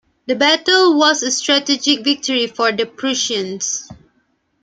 The battle was a strategic victory for the Prussians.